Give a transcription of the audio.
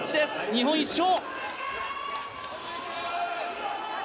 日本、１勝！